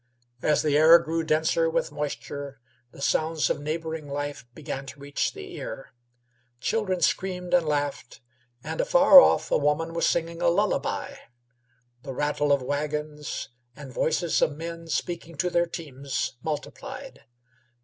As the air grew denser with moisture, the sounds of neighboring life began to reach the ear. Children screamed and laughed, and afar off a woman was singing a lullaby. The rattle of wagons and the voices of men speaking to their teams multiplied.